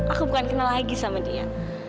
aku bukan kenal lagi sama dia